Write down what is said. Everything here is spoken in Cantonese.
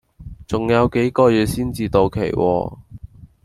仲有幾個月先至到期喎